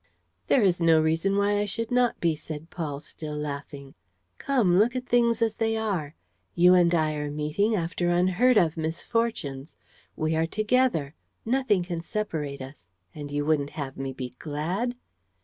"There is no reason why I should not be," said Paul, still laughing. "Come, look at things as they are: you and I are meeting after unheard of misfortunes. We are together; nothing can separate us; and you wouldn't have me be glad?"